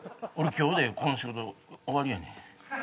今日でこの仕事終わりやねん